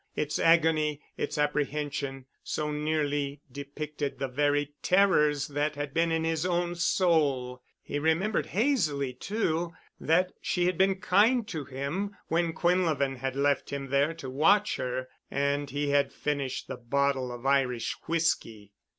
Its agony, its apprehension, so nearly depicted the very terrors that had been in his own soul. He remembered hazily too, that she had been kind to him when Quinlevin had left him there to watch her and he had finished the bottle of Irish whisky.